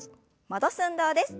戻す運動です。